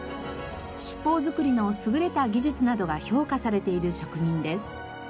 七宝づくりの優れた技術などが評価されている職人です。